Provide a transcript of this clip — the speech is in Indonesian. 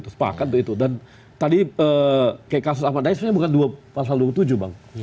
sepakat untuk itu dan tadi kayak kasus ahmad dhani sebenarnya bukan dua pasal dua puluh tujuh bang